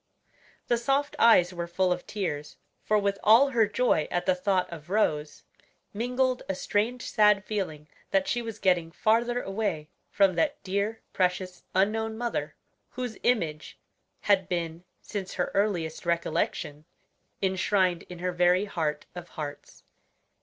The soft eyes were full of tears; for with all her joy at the thought of Rose, mingled a strange sad feeling that she was getting farther away from that dear, precious, unknown mother, whose image had been, since her earliest recollection, enshrined in her very heart of hearts.